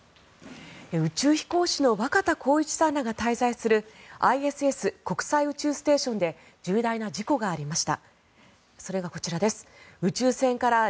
宇宙飛行士の若田光一さんらが滞在するＩＳＳ・国際宇宙ステーションで重大な事故がありました。